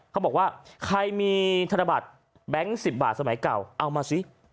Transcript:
เขาบอกว่าใครมีธนบัตรแบงค์๑๐บาทสมัยเก่าเอามาสิ